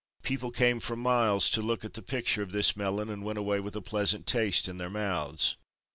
People came for miles to look at the picture of this melon and went away with a pleasant taste in their mouths.